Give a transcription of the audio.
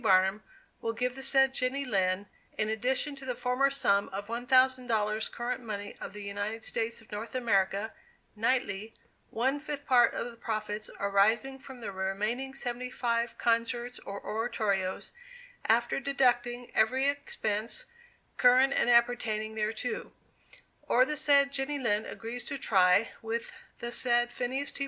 Barnum will give the said Jenny Lind, in addition to the former sum of one thousand dollars current money of the United States of North America, nightly, one fifth part of the profits arising from the remaining seventy five concerts or oratorios, after deducting every expense current and appertaining thereto; or the said Jenny Lind agrees to try with the said Phineas T.